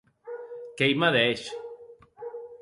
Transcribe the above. Qu’ei madeish.